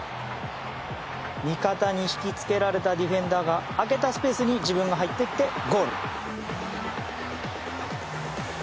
味方に引き付けられたディフェンダーが空けたスペースに自分が入っていってゴール。